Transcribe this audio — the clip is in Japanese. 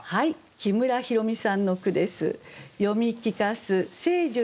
木村弘美さんの句です。